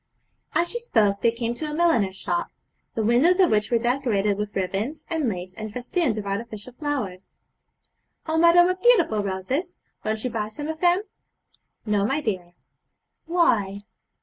As she spoke they came to a milliner's shop, the windows of which were decorated with ribands and lace and festoons of artificial flowers. 'Oh mother, what beautiful roses! Won't you buy some of them?' 'No, my dear.' 'Why?'